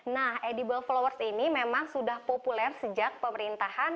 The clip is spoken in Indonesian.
nah edible flowers ini memang sudah populer sejak pemerintahan